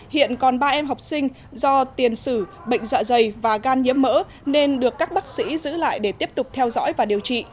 hiện còn ba em học sinh do tiền sử bệnh dạ dày và gan nhiễm mỡ nên được các bác sĩ giữ lại để tiếp tục theo dõi và điều trị